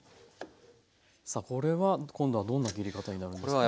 これは今度はどんな切り方になるんですか？